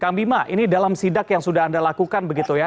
kang bima ini dalam sidak yang sudah anda lakukan begitu ya